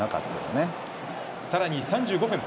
さらに３５分。